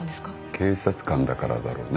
警察官だからだろうね。